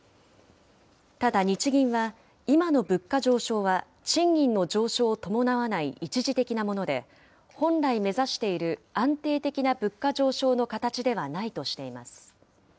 ただ日銀は、今の物価上昇は賃金の上昇を伴わない一時的なもので、本来目指している安定的な物価上昇の形ではないとしています。